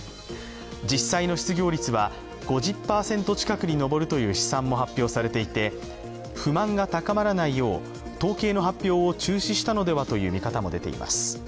実際の失業率は５０％近くに上るという試算も発表されていて不満が高まらないよう統計の発表を中止したのではとの見方も出ています。